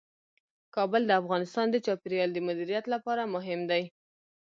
کابل د افغانستان د چاپیریال د مدیریت لپاره مهم دي.